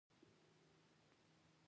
زردالو د کور باغونو ښکلې ونه ده.